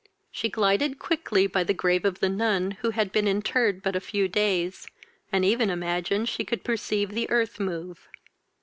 She glided quickly by the grave of the nun who had been interred but a few days, and even imagined she could perceive the earth move.